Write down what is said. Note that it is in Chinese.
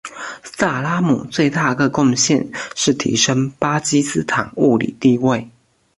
萨拉姆最大个贡献是提升巴基斯坦物理地位。